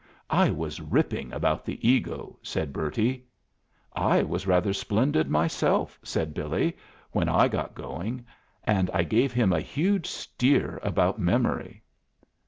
"I was ripping about the ego," said Bertie. "I was rather splendid myself," said Billy, "when I got going. And I gave him a huge steer about memory."